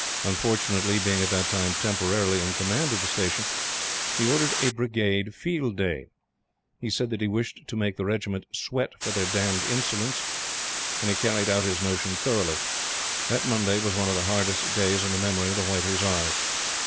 Unfortunately, being at that time temporarily in Command of the Station, he ordered a Brigade field day. He said that he wished to make the regiment "sweat for their damned insolence," and he carried out his notion thoroughly. That Monday was one of the hardest days in the memory of the White Hussars.